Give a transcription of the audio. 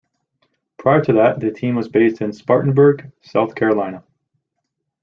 Prior to that, the team was based in Spartanburg, South Carolina.